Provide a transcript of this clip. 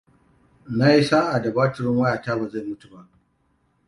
Na yi sa'a, da batirin wayata ba zai mutu ba.